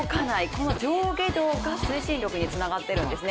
この上下動が推進力につながっているんですね。